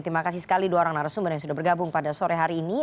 terima kasih sekali dua orang narasumber yang sudah bergabung pada sore hari ini